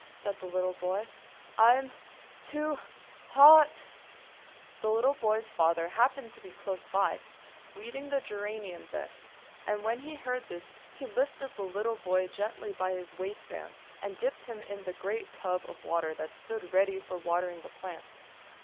said the little boy. "I'm too hot!" The little boy's father happened to be close by, weeding the geranium bed; and when he heard this, he lifted the little boy gently by his waistband, and dipped him in the great tub of water that stood ready for watering the plants.